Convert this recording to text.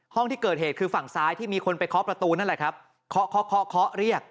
ห้องที่เกิดเหตุคือฝั่งซ้ายที่มีคนไปเคาะประตูนั่นแหละครับเคาะเคาะเคาะเคาะเรียก